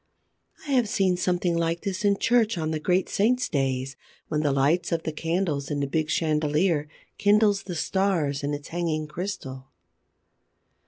I have seen something like this in church, on the great saints' days, when the light of the candles in the big chandelier kindles the stars in its hanging crystal.